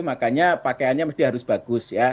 makanya pakaiannya mesti harus bagus ya